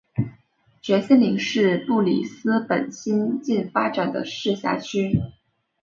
蕨森林是个布里斯本新近发展的市辖区。